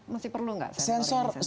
masih perlu nggak sensor ini